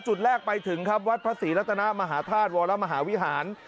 จุดแรกไปถึงครับวัดพระศรีรัตนามหาธาตุวรมหาวิหาร